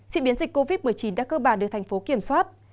diễn biến dịch covid một mươi chín đã cơ bản được thành phố kiểm soát